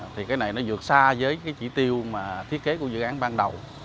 thì cái này nó dược xa với cái chỉ tiêu mà thiết kế của dự án ban đầu